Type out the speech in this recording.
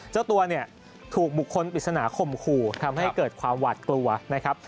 เจ้าตัวเนี่ยถูกบุคคลปริศนาข่มขู่ทำให้เกิดความหวาดกลัวนะครับ